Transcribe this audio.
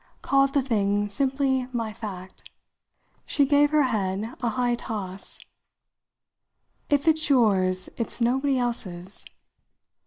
Call the thing simply my fact." She gave her high head a toss. "If it's yours it's nobody else's!"